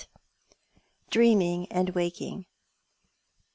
DREAMING AND WAKING.